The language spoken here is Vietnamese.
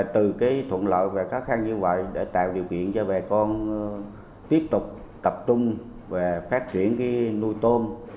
từ cái thuận lợi và khó khăn như vậy để tạo điều kiện cho bà con tiếp tục tập trung và phát triển cái nuôi tôm